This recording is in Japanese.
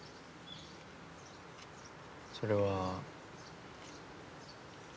それは。